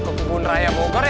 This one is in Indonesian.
kejual dia brander